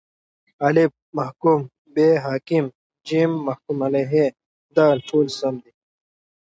الف: محکوم به ب: حاکم ج: محکوم علیه د: ټوله سم دي